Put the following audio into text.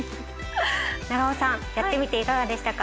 永尾さんやってみていかがでしたか？